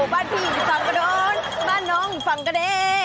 บ้านผู้หญิงฝั่งกระโดรบ้านน้องฝั่งเกด